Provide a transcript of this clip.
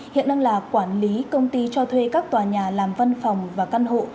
hiện đang là quản lý công ty cho thuê các tòa nhà làm văn phòng và căn hộ